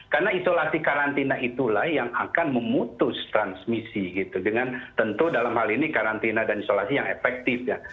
karena isolasi karantina itulah yang akan memutus transmisi gitu dengan tentu dalam hal ini karantina dan isolasi yang efektif ya